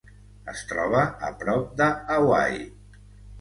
Es troba a prop de Hawaii.